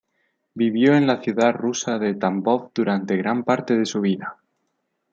Vivió en la ciudad rusa de Tambov durante gran parte de su vida.